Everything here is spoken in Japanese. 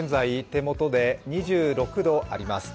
手元で２６度あります。